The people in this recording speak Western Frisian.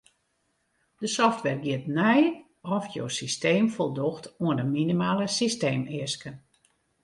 De software giet nei oft jo systeem foldocht oan de minimale systeemeasken.